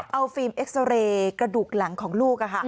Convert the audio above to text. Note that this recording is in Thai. เอาฟิล์มเอ็กซาเรย์กระดูกหลังของลูก